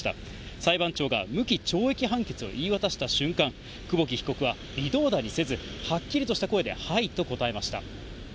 裁判長が無期懲役判決を言い渡した瞬間、久保木被告は、微動だにせず、はっきりとした声で、はいと答えました。